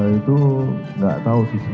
itu tidak tahu sih